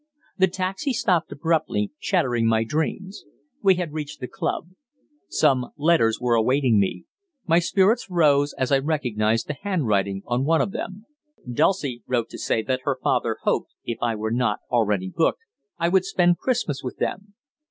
The taxi stopped abruptly, shattering my dreams. We had reached the club. Some letters were awaiting me. My spirits rose as I recognized the handwriting on one of them. Dulcie wrote to say that her father hoped, if I were not "already booked," I would spend Christmas with them.